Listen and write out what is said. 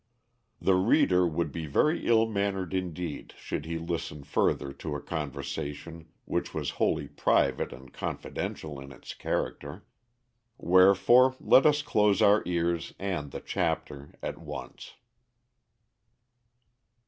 The reader would be very ill mannered indeed should he listen further to a conversation which was wholly private and confidential in its character; wherefore let us close our ears and the chapter at once.